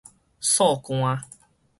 燥汗